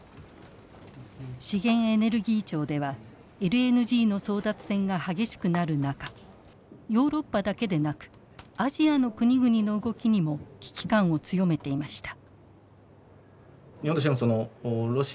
資源エネルギー庁ではＬＮＧの争奪戦が激しくなる中ヨーロッパだけでなくアジアの国々の動きにも危機感を強めていました。